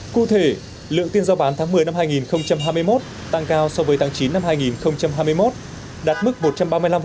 cụ thể lượng tiền giao bán tháng một mươi năm hai nghìn hai mươi một tăng cao so với tháng chín năm hai nghìn hai mươi một đạt mức một trăm ba mươi năm